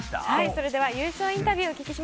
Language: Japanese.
それでは優勝インタビュー